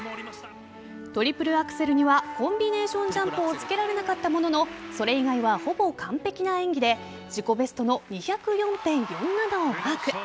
トリプルアクセルにはコンビネーションジャンプをつけられなかったもののそれ以外は、ほぼ完璧な演技で自己ベストの２０４．４７をマーク。